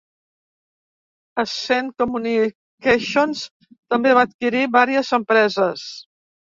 Ascend Communications també va adquirir vàries empreses.